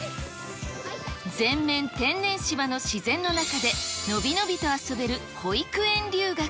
全面天然芝の自然の中で、伸び伸びと遊べる保育園留学。